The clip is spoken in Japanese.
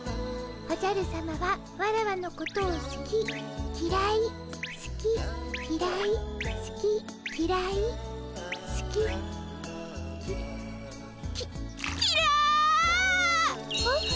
おじゃるさまはワラワのことをすききらいすききらいすききらいすききききら。